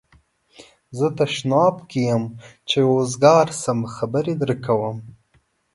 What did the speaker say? زه تشناب کی یم چی اوزګار شم خبر درکوم